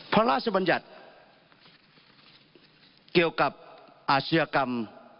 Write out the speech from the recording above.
พระราชบัญญัติเกี่ยวกับอาชญากรรม